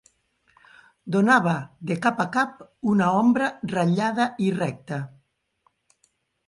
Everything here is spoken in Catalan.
Donava de cap a cap una ombra ratllada i recta